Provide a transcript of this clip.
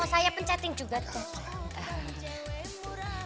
mau saya pencetin juga toh